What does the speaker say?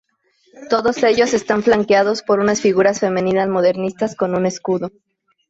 Todos ellos están flanqueados por unas figuras femeninas modernistas con un escudo.